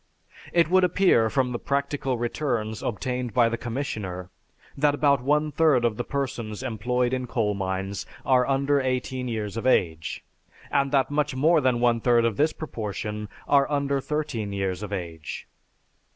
It would appear from the practical returns obtained by the commissioner, that about one third of the persons employed in coal mines are under eighteen years of age, and that much more than one third of this proportion are under thirteen years of age."